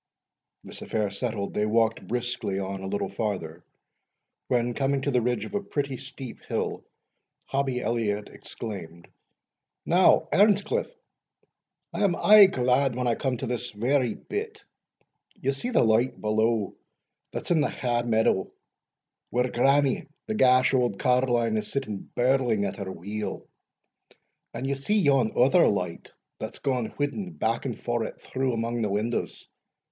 This affair settled, they walked briskly on a little farther, when, coming to the ridge of a pretty steep hill, Hobbie Elliot exclaimed, "Now, Earnscliff, I am aye glad when I come to this very bit Ye see the light below, that's in the ha' window, where grannie, the gash auld carline, is sitting birling at her wheel and ye see yon other light that's gaun whiddin' back and forrit through amang the windows?